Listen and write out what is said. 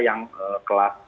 yang kelas sepuluh